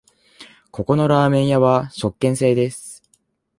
ここのラーメン屋は食券制です